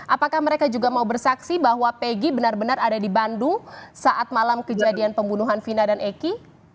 apakah mereka juga mau bersaksi bahwa peggy benar benar ada di bandung saat malam kejadian pembunuhan vina dan eki